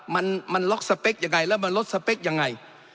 มันล็อกสเปคอย่างไรและมันลดสเปคอย่างไร